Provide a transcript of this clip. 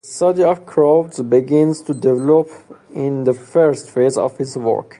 The study of crowds begins to develop in this first phase of his work.